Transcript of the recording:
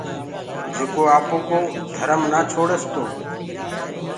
جيڪو آپوڪو مجهب نآ ڇوڙس تو